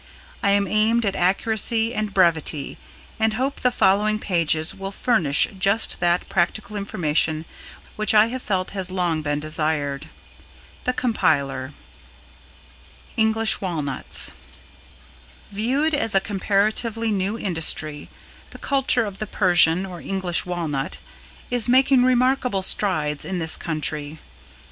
I have aimed at accuracy and brevity and hope the following pages will furnish just that practical information which I have felt has long been desired. THE COMPILER. English Walnuts. Viewed as a comparatively new industry, the culture of the Persian or English Walnut is making remarkable strides in this country.